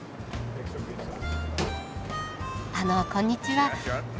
あのこんにちは。